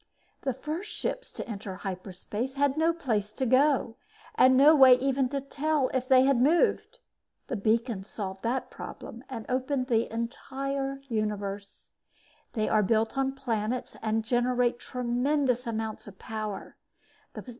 The first ships to enter hyperspace had no place to go and no way to even tell if they had moved. The beacons solved that problem and opened the entire universe. They are built on planets and generate tremendous amounts of power.